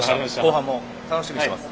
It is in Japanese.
後半も楽しみにしています。